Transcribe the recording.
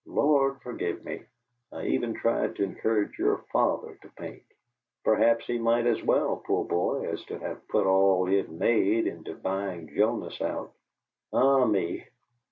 Lord forgive me, I even tried to encourage your father to paint. Perhaps he might as well, poor boy, as to have put all he'd made into buying Jonas out. Ah me!